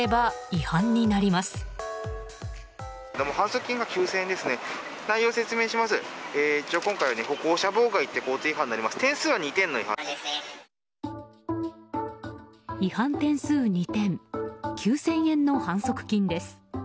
違反点数２点９０００円の反則金です。